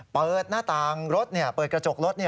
เปิดหน้าต่างรถเปิดกระจกรถ